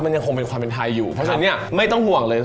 มันยังคงเป็นความเป็นไทยอยู่เพราะฉะนั้นเนี่ยไม่ต้องห่วงเลย